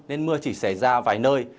nên mưa chỉ xảy ra vài nơi